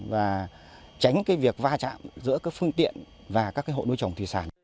và tránh việc va chạm giữa phương tiện và hộ nuôi trồng thị xã